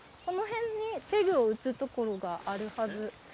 この辺にペグを打つところがあるはず。